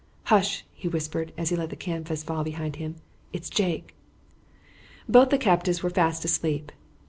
"Hush!" he whispered, as he let the canvas fall behind him. "It's Jake." Both the captives were fast asleep.